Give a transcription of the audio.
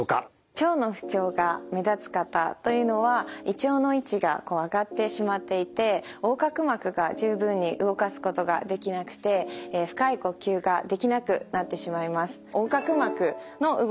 腸の不調が目立つ方というのは胃腸の位置が上がってしまっていて横隔膜が十分に動かすことができなくて深い呼吸ができなくなってしまいます。